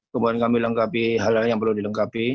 kemudian kami lengkapi hal hal yang perlu dilengkapi